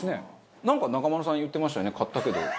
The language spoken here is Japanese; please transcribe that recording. なんか中丸さん言ってましたよね買ったけど。